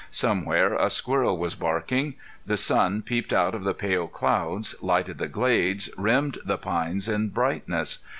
Somewhere a squirrel was barking. The sun peeped out of the pale clouds, lighted the glades, rimmed the pines in brightness.